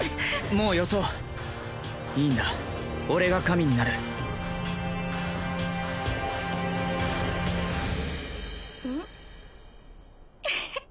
もうよそういいんだ俺が神になるうん？